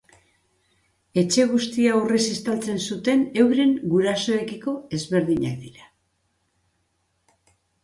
Etxe guztia urrez estaltzen zuten euren gurasoekiko ezberdinak dira.